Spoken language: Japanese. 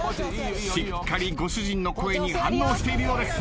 しっかりご主人の声に反応しているようです。